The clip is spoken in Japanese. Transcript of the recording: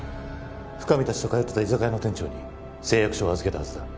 深海たちと通ってた居酒屋の店長に誓約書を預けたはずだ。